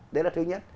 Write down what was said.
đấy là thứ nhất